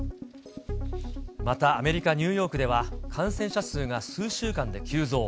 またアメリカ・ニューヨークでは、感染者数が数週間で急増。